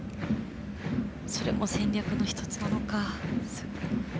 それも戦略の１つなのか。